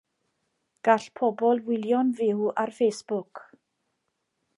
Gall pobl wylio'n fyw ar Facebook.